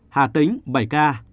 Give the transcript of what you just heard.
hà tính bảy ca